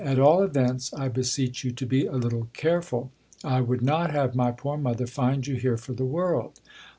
At all events, I beseech you to be a little care ;ul ; I would not have my poor mother find you here for the world.